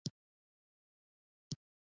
اشراف ان له کهول اجاو پرځېدو وروسته هم پاتې شول.